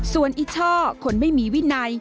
ส่วนอิช่อคนไม่มีวินัย